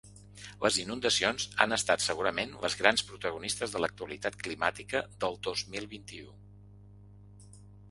Les inundacions han estat segurament les grans protagonistes de l’actualitat climàtica del dos mil vint-i-u.